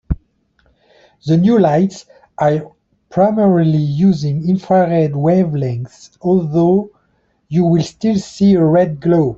The new lights are primarily using infrared wavelength, although you will still see a red glow.